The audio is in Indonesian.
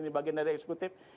di bagian dari eksekutif